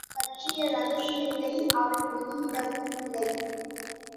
அதுபற்றிய ரகசியத்தை அவன் வெளியிடவுமில்லை.